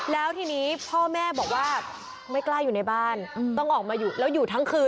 แล้วทีนี้พ่อแม่บอกว่าไม่กล้าอยู่ในบ้านต้องออกมาอยู่แล้วอยู่ทั้งคืน